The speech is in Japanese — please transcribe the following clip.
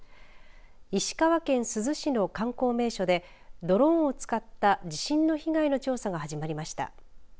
石川県珠洲市の観光名所でドローンを使った地震の被害の調査が始まりました。